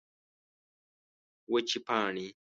وچې پاڼې